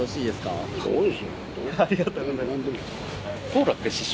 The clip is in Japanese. ありがとうございます。